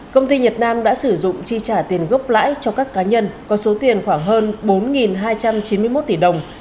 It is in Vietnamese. công ty nhật nam đã sử dụng chi trả tiền gốc lãi cho các cá nhân có số tiền khoảng hơn bốn hai trăm chín mươi một tỷ đồng